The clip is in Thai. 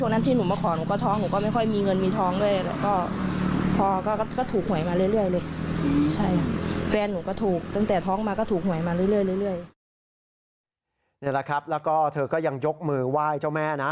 นี่แหละครับแล้วก็เธอก็ยังยกมือไหว้เจ้าแม่นะ